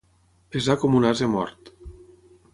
Pesar com un ase mort.